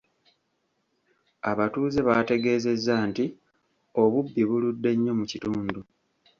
Abatuuze baategezezza nti obubbi buludde nnyo mu kitundu.